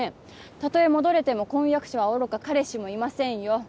たとえ戻れても婚約者はおろか彼氏もいませんよ